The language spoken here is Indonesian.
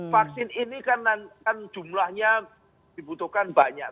vaksin ini kan jumlahnya dibutuhkan banyak